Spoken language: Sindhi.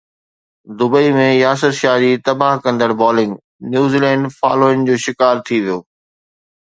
دبئي ۾ ياسر شاهه جي تباهه ڪندڙ بالنگ، نيوزيلينڊ فالو آن جو شڪار ٿي ويو